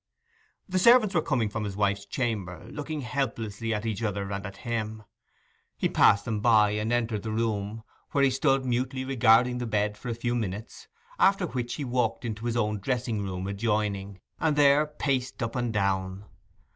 The servants were coming from his wife's chamber, looking helplessly at each other and at him. He passed them by and entered the room, where he stood mutely regarding the bed for a few minutes, after which he walked into his own dressing room adjoining, and there paced up and down.